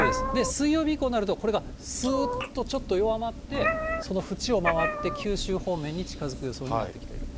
水曜日以降になるとこれがすーっとちょっと弱まって、その縁を回って、九州方面に近づく予想になってきている。